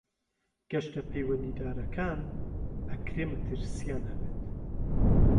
گەشتە پەیوەندیدارەکان ئەکرێ مەترسیان هەبێت.